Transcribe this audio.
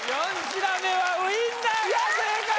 ４品目はウインナーが正解！